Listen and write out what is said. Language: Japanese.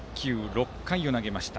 ６回を投げました。